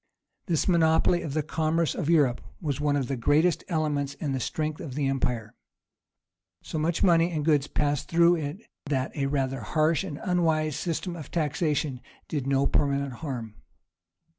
This monopoly of the commerce of Europe was one of the greatest elements in the strength of the empire. So much money and goods passed through it that a rather harsh and unwise system of taxation did no permanent harm.